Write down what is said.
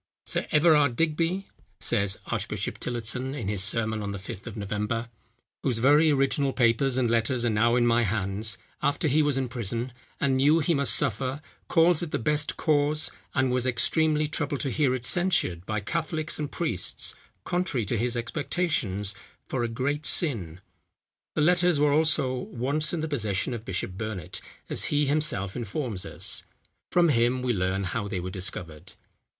"Sir Everard Digby," says Archbishop Tillotson in his sermon on the fifth of November, "whose very original papers and letters are now in my hands, after he was in prison, and knew he must suffer, calls it the best cause, and was extremely troubled to hear it censured by Catholics and priests, contrary to his expectations, for a great sin." The letters were also, once in the possession of Bishop Burnet, as he himself informs us. From him we learn how they were discovered.